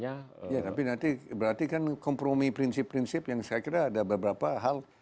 ya tapi nanti berarti kan kompromi prinsip prinsip yang saya kira ada beberapa hal